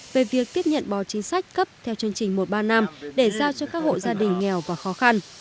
về việc tiếp nhận bò chính sách cấp theo chương trình một trăm ba mươi năm để giao cho các hộ gia đình nghèo và khó khăn